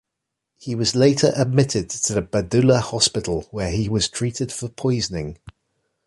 He was later admitted to the Badulla Hospital where he was treated for poisoning.